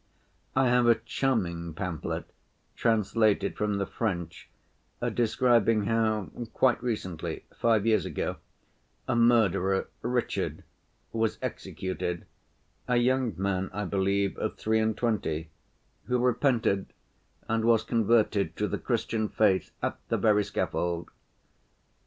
I have a charming pamphlet, translated from the French, describing how, quite recently, five years ago, a murderer, Richard, was executed—a young man, I believe, of three and twenty, who repented and was converted to the Christian faith at the very scaffold.